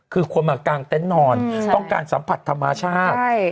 คือคนมากางเต็นต์นอนต้องการสัมผัสธรรมชาติ